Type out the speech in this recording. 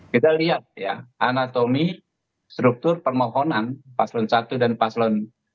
kita lihat ya anatomi struktur permohonan paslon satu dan paslon satu